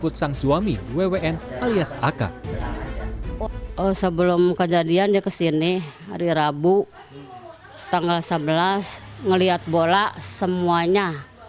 hari rabu tanggal sebelas ngeliat bola semuanya